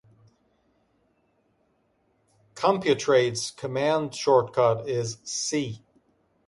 Computrade's command shortcut is 'C'.